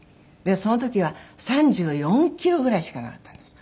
その時は３４キロぐらいしかなかったんです。